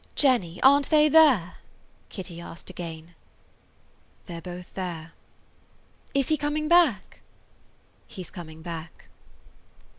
"Jenny, aren't they there?" Kitty asked again. "They 're both there." "Is he coming back?" "He 's coming back."